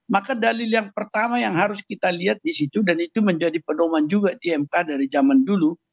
maka dalil yang pertama yang harus kita lihat di situ dan itu menjadi pedoman juga di mk dari zaman dulu